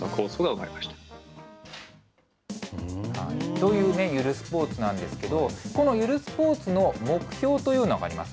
というね、ゆるスポーツなんですけど、このゆるスポーツの目標というのがあります。